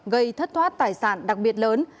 gây thất thoát tài sản đặc biệt lớn